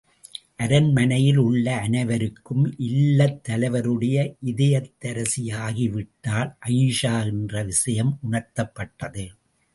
அரண்மனையில் உள்ள அனைவருக்கும் இல்லத்தலைவருடைய இதயத்தரசி யாகிவிட்டாள் அயீஷா என்ற விஷயம் உணர்த்தப்பட்டது.